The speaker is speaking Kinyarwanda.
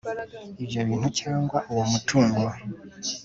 ibyo bintu cyangwa uwo mutungo